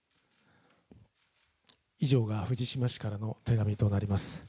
以上が藤島氏からの手紙となります。